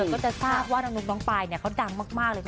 ก็จะทราบว่าน้องนกน้องปายเขาดังมากเลย